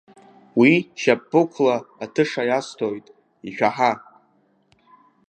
Уи шьапԥықәла атыша иасҭоит, ишәаҳа!